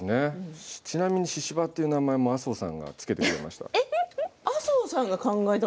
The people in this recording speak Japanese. ししばという名前は麻生さんが付けてくれました。